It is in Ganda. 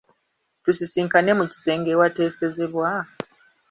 Tusisinkane mu kisenge awateesezebwa?